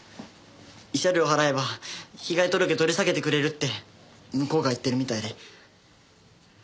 慰謝料払えば被害届取り下げてくれるって向こうが言ってるみたいで。